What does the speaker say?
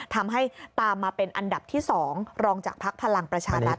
ทำให้ตามมาเป็นอันดับที่๒รองจากภักดิ์พลังประชารัฐ